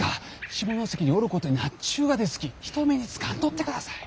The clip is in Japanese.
下関におることになっちゅうがですき人目につかんとってください！